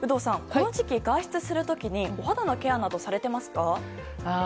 この時期、外出する時にお肌のケアなどはされていますか？